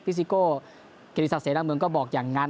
ฟีซิโก้เกษศเซนรับเมืองก็บอกอย่างนั้น